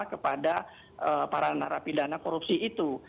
kepada para narapidana korupsi itu